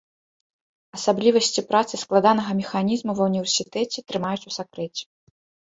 Асаблівасці працы складанага механізму ва ўніверсітэце трымаюць у сакрэце.